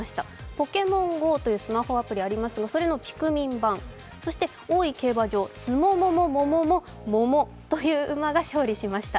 ポケモンＧＯというスマホアプリがありますが、それのピクミン版、そして大井競馬場スモモモモモモモモという馬が勝利しました。